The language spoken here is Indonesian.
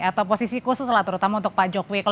atau posisi khusus lah terutama untuk pak jokowi